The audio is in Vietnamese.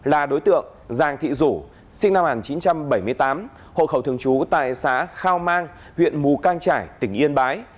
là đối tượng giàng thị rủ sinh năm một nghìn chín trăm bảy mươi tám hộ khẩu thường trú tại xã khao mang huyện mù căng trải tỉnh yên bái